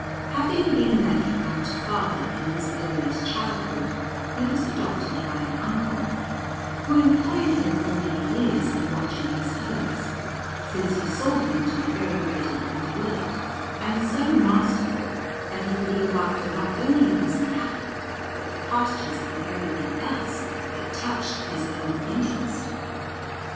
Having been left without a father in his earliest childhood, he was adopted by an uncle, who employed him for many years in watching his herds, since he saw him to be very ready and alert, and so masterful, that he could look after not only his cattle but the pastures and everything else that touched his own interest.